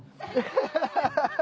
ハハハハ！